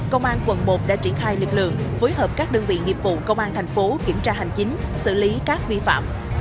công an quận một đã triển khai lực lượng phối hợp các đơn vị nghiệp vụ công an thành phố kiểm tra hành chính xử lý các vi phạm